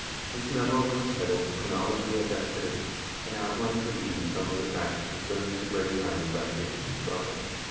This memo was entitled "Chronology of Activity," and outlined for Dean some of the facts concerning Segretti's hiring by Chapin and Strachan.